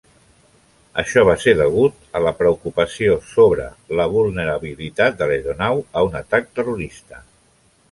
Això va ser degut a la preocupació sobre la vulnerabilitat de l'aeronau a un atac terrorista.